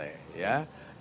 seluruh ketua umum partai